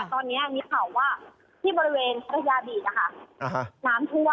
ตอนนี้มีข่าวว่าที่บริเวณพัทยาบีตน้ำท่วม